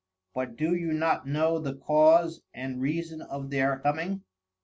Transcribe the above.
But do you not know the cause and reason of their coming?